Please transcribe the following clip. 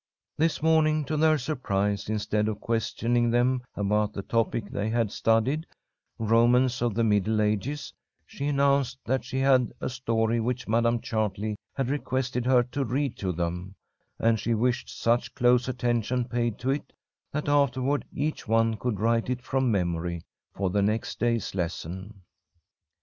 This morning, to their surprise, instead of questioning them about the topic they had studied, Romance of the Middle Ages, she announced that she had a story which Madam Chartley had requested her to read to them, and she wished such close attention paid to it that afterward each one could write it from memory for the next day's lesson.